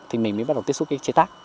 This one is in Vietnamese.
thì mình mới bắt đầu tiếp xúc cái chế tác